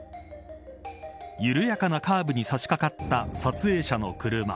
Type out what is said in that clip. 緩やかなカーブに差しかかった撮影者の車。